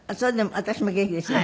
私も元気ですよ。